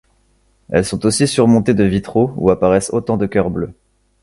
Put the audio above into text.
Elles sont aussi surmontées de vitraux où apparaissent autant de cœurs bleus.